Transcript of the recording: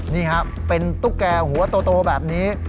นี่ครับเป็นตุ๊กแก่หัวโตแบบนี้